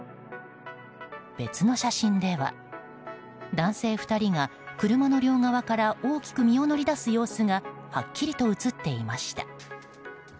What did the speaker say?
別の写真では男性２人が車の両側から大きく身を乗り出す様子がはっきりと写っていました。